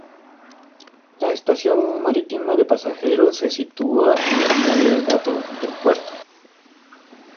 La estación marítima de pasajeros se sitúa en el muelle Dato del puerto.